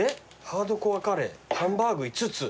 ハードコアカレーハンバーグ５つ。